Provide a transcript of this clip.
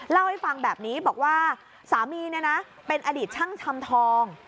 เล่าให้ฟังแบบนี้บอกว่าสามีเนี่ยนะเป็นอดีตช่างทำทอง